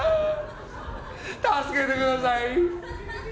助けてください。